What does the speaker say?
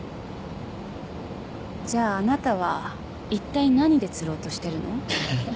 じゃああなたはいったい何で釣ろうとしてるの？